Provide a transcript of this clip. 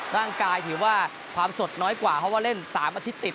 ร่างกายถือว่าความสดน้อยกว่าเพราะว่าเล่น๓อาทิตย์ติด